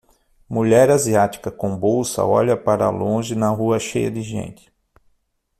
Mulher asiática com bolsa olha para longe na rua cheia de gente